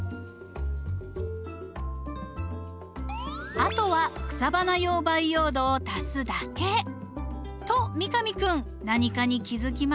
あとは草花用培養土を足すだけ！と三上君何かに気付きましたよ。